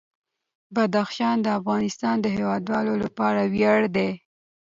بدخشان د افغانستان د هیوادوالو لپاره ویاړ دی.